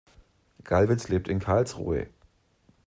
Gallwitz lebt in Karlsruhe.